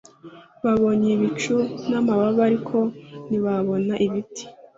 Babonye ibicu n'amababa ariko ntibabona ibiti.